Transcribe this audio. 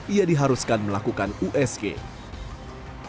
ia diharuskan melakukan usm